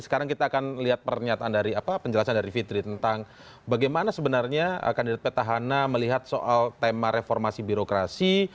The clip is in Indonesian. sekarang kita akan lihat pernyataan dari penjelasan dari fitri tentang bagaimana sebenarnya kandidat petahana melihat soal tema reformasi birokrasi